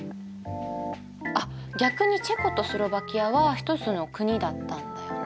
あっ逆にチェコとスロヴァキアは一つの国だったんだよね。